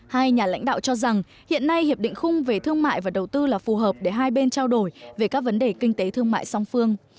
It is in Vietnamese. hai nhà lãnh đạo cho rằng hiện nay hiệp định khung về thương mại và đầu tư là phù hợp để hai bên trao đổi về các vấn đề kinh tế thương mại song phương